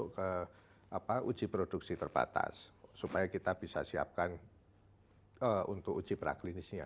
kita harus naik ke uji produksi terbatas supaya kita bisa siapkan untuk uji pra klinisnya